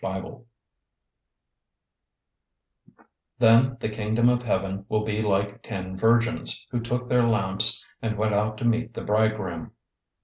025:001 "Then the Kingdom of Heaven will be like ten virgins, who took their lamps, and went out to meet the bridegroom.